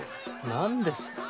何ですって？